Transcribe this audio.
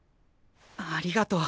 ありがとう。